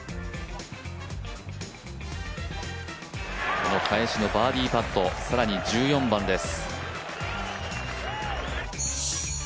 この返しのバーディーパット、更に１４番です。